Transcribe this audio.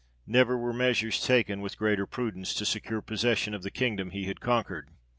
Never were measures taken with greater prudence, to secure possession of the kingdom he had conquered.